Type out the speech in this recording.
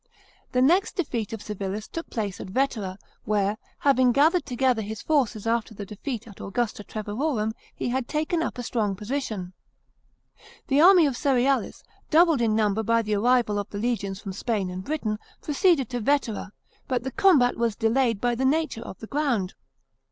The next defeat of Civilis took place at Vetera, where, having gathered together his forces after the defeat at Augusta Treverorum, he had taken up a strong position. The army of Cerealis, doubled in number by the arrival of the legions from Spain and Britain, proceeded to Vetera ; but the combat was delayed by the nature of the ground.